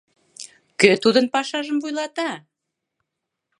Кӧ тудын пашажым вуйлата?